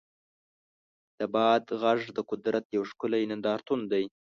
د باد غږ د قدرت یو ښکلی نندارتون دی.